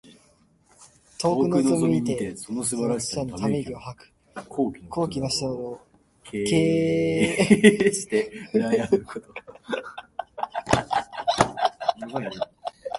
遠くのぞみ見てその素晴らしさにため息を吐く。高貴の人などを敬慕してうらやむこと。